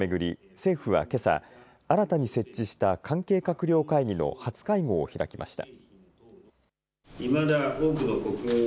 政府はけさ、新たに設置した関係閣僚会議の初会合を開きました。